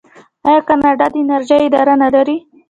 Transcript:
آیا کاناډا د انرژۍ اداره نلري؟